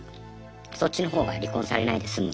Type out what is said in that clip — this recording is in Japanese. そっちのほうが離婚されないで済むんで。